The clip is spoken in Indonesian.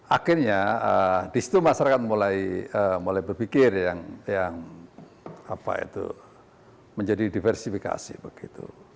akhirnya disitu masyarakat mulai berpikir yang menjadi diversifikasi begitu